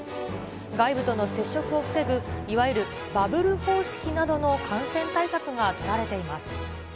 外部との接触を防ぐ、いわゆるバブル方式などの感染対策が取られています。